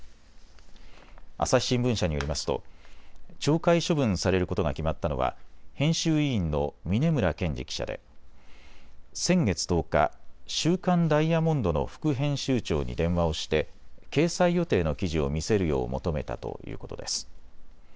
朝日新聞社によりますと懲戒処分されることが決まったのは編集委員の峯村健司記者で先月１０日、週刊ダイヤモンドの副編集長に電話をして掲載予定の記事を見せるよう求めたということです。